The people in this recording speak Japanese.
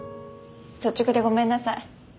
率直でごめんなさい。